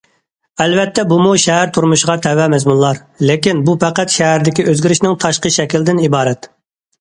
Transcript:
ئەلۋەتتە بۇمۇ شەھەر تۇرمۇشىغا تەۋە مەزمۇنلار، لېكىن بۇ پەقەت شەھەردىكى ئۆزگىرىشنىڭ تاشقى شەكلىدىن ئىبارەت.